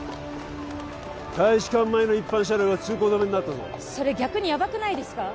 大使館前の一般車両は通行止めになったぞそれ逆にやばくないですか？